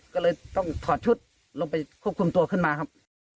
ก็เลยต้องถอดชุดลงไปควบคุมตัวขึ้นมาครับ